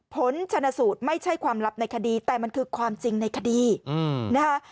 ผลชนสูตรไม่ใช่ความลับในคดีแต่มันคือความจริงในคดีนะคะ